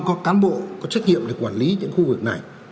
có cán bộ có trách nhiệm để quản lý những khu vực này